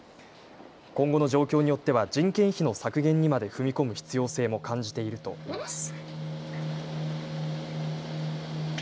今後の状況によっては人件費の削減にまで踏み込む必要性も感じているといいます。